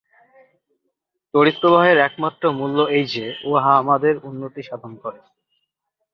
তড়িৎপ্রবাহের একমাত্র মূল্য এই যে, উহা আমাদের উন্নতি সাধন করে।